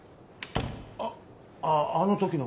あっあの時の。